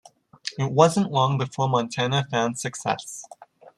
It wasn't long before Montana found success.